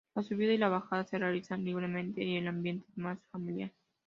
La subida y la bajada se realizan libremente y el ambiente es más familiar.